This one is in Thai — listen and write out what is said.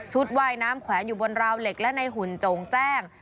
ว่ายน้ำแขวนอยู่บนราวเหล็กและในหุ่นโจ่งแจ้ง